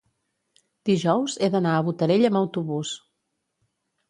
dijous he d'anar a Botarell amb autobús.